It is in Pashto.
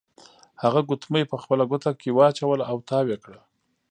هغه ګوتمۍ په خپله ګوته کې واچوله او تاو یې کړه.